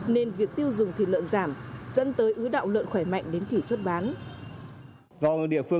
nên việc tiêu dùng thịt lợn giảm dẫn tới ứ đạo lợn khỏe mạnh đến kỷ xuất bán